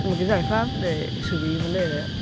một cái giải pháp để xử lý vấn đề đấy ạ